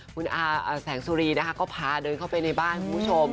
คุณอาแสงสุรีนะคะก็พาเดินเข้าไปในบ้านคุณผู้ชม